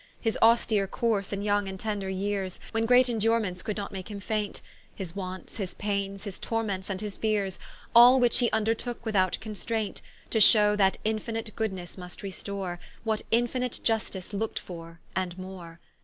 His austere course in yong and tender yeares, When great indurements could not make him faint: His wants, his paines, his torments, and his feares, All which he vndertooke without constraint, To shew that infinite Goodnesse must restore, What infinite Iustice looked for, and more.